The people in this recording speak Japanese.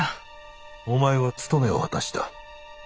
お前はつとめを果たした。